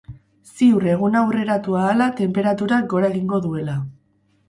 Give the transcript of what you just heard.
Ziur eguna urreratu ahala tenperaturak gora egingo duela.